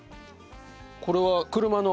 これは車の？